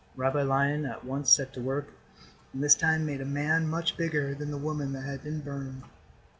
Rabbi Lion at once set to work, and this time made a man, much bigger than the woman that had been burned.